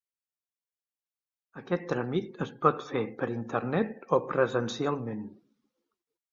Aquest tràmit es pot fer per internet o presencialment.